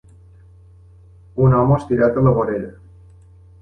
Un home estirat a la vorera.